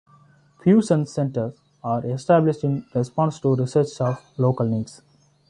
Fusion's centres are established in response to research of local needs.